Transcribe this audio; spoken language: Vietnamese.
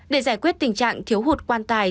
để giải quyết tình trạng thiếu hụt quan tài